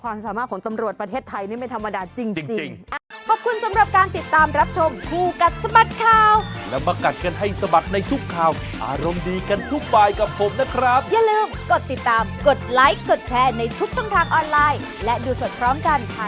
สามารถของตำรวจประเทศไทยนี่ไม่ธรรมดาจริง